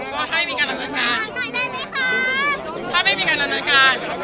ก็ถ้าไม่มีการดำเนินการถ้าไม่มีการดำเนินการ